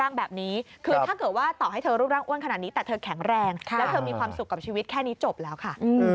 มิตรแค่นี้จบแล้วค่ะ